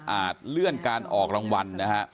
เลื่อนการออกรางวัลนะฮะ